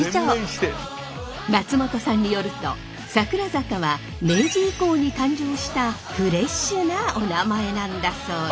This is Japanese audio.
松本さんによると桜坂は明治以降に誕生したフレッシュなお名前なんだそうです。